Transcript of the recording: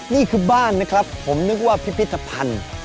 นี่คือบ้านนะครับผมนึกว่าพิพิธภัณฑ์